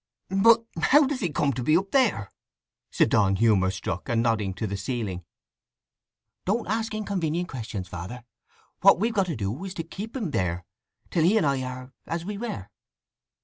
"But how does he come to be up there?" said Donn, humour struck, and nodding to the ceiling. "Don't ask inconvenient questions, Father. What we've to do is to keep him here till he and I are—as we were."